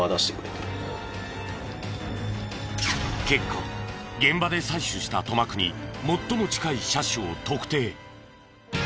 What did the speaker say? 結果現場で採取した塗膜に最も近い車種を特定。